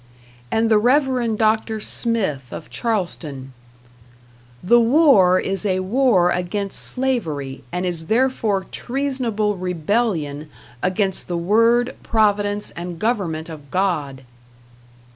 And the Reverend Dr. Smythe of Charleston: "The war is a war against slavery, and is therefore treasonable rebellion against the Word, Providence and Government of God."